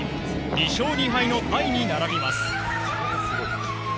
２勝２敗のタイに並びます。